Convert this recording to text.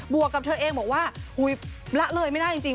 วกกับเธอเองบอกว่าอุ๊ยละเลยไม่ได้จริง